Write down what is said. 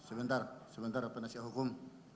sebentar sebentar penasihat hukum